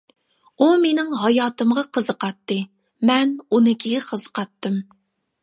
ئۇ مېنىڭ ھاياتىمغا قىزىقاتتى، مەن ئۇنىڭكىگە قىزىقاتتىم.